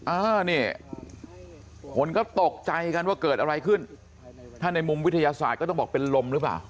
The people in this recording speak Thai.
อ่านี่คนก็ตกใจกันว่าเกิดอะไรขึ้นถ้าในมุมวิทยาศาสตร์ก็ต้องบอกเป็นลมหรือเปล่า